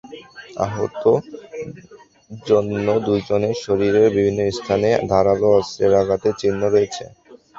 আহত অন্য দুজনের শরীরের বিভিন্ন স্থানে ধারালো অস্ত্রের আঘাতের চিহ্ন রয়েছে।